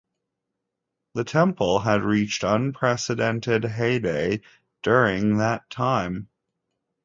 The temple had reached unprecedented heyday during that time.